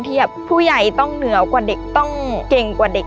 ผู้ใหญ่ต้องเหนือกว่าเด็กต้องเก่งกว่าเด็ก